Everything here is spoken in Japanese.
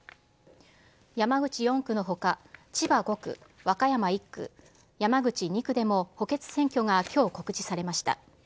山口４区のほか千葉５区、和歌山１区、山口２区でも補欠選挙がきょう、告示されました。